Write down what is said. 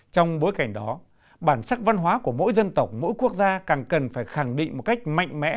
trong bối cảnh đó bản sắc văn hóa của mỗi dân tộc mỗi quốc gia càng cần phải khẳng định một cách mạnh mẽ